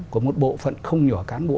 của một bộ phận không nhỏ cán bộ